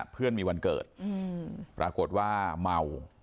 เพื่อนมีวันเกิดปรากฏว่าเมา